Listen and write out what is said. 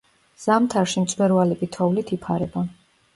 ზამთარში მწვერვალები თოვლით იფარება.